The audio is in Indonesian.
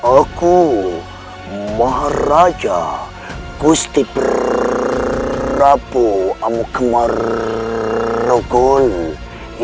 aku maharaja gusti prabowo amukmarogoli